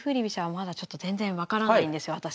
飛車はまだちょっと全然分からないんですよ